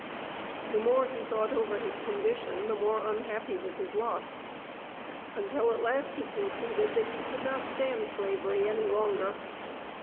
The more he thought over his condition, the more unhappy was his lot, until at last he concluded, that he could not stand Slavery any longer.